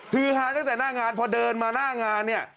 คือฮาตั้งแต่หน้างานพอเดินมาหน้างานเนี่ย